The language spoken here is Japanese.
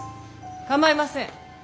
構いません。